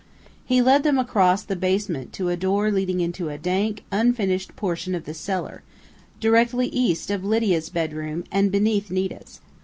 He led them across the basement to a door leading into a dank, unfinished portion of the cellar, directly east of Lydia's bedroom and beneath Nita's.